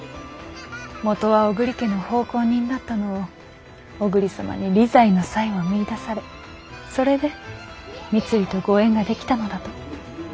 もとは小栗家の奉公人だったのを小栗様に理財の才を見いだされそれで三井とご縁が出来たのだと。